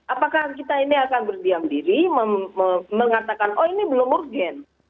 apakah kita ini akan berdiam diri mengatakan oh ini belum urgen